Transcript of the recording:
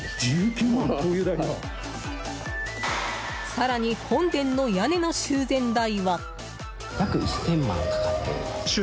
更に、本殿の屋根の修繕代は。